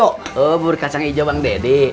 oh bubur kacang hijau bang dede